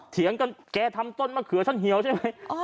เถียงกันแกทำต้นมะเขือฉันเหี่ยวใช่ไหม